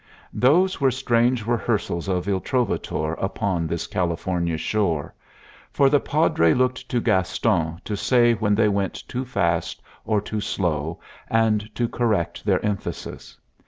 Those were strange rehearsals of Il Trovatore upon this California shore. For the Padre looked to Gaston to say when they went too fast or too slow, and to correct their emphasis.